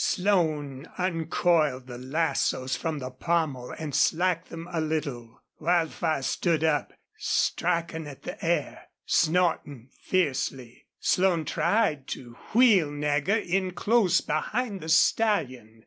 Slone uncoiled the lassoes from the pommel and slacked them a little. Wildfire stood up, striking at the air, snorting fiercely. Slone tried to wheel Nagger in close behind the stallion.